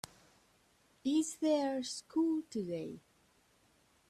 Is there school today?